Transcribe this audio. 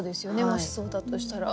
もしそうだとしたら。